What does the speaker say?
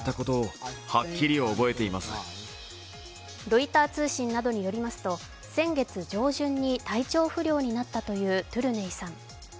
ロイター通信などによりますと先月上旬に体調不良になったというトゥルネイさん。